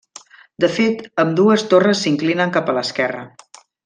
De fet, ambdues torres s'inclinen cap a l'esquerra.